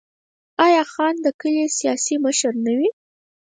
آیا خان د کلي سیاسي مشر نه وي؟